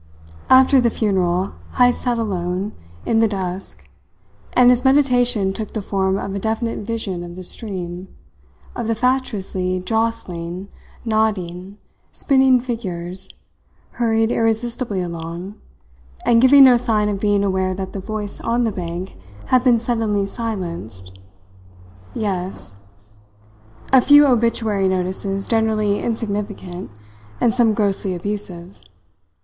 After the funeral, Heyst sat alone, in the dusk, and his meditation took the form of a definite vision of the stream, of the fatuously jostling, nodding, spinning figures hurried irresistibly along, and giving no sign of being aware that the voice on the bank had been suddenly silenced ... Yes. A few obituary notices generally insignificant and some grossly abusive.